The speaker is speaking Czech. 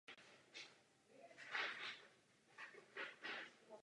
Zakladatelem a jediným akcionářem je město Ústí nad Labem.